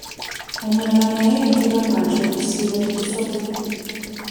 Omulala naye yatugamba nti okusiiba tekusoboka.